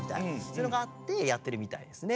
そういうのがあってやってるみたいですね。